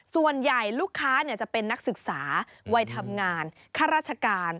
ส่วนใหญ่ลูกค้าจะเป็นนักศึกษาวัยทำงานข้าราชการ